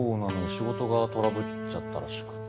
仕事がトラブっちゃったらしくて。